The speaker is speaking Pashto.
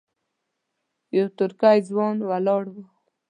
یو ترکی ځوان ولاړ و.